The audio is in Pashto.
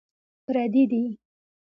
پردي دي.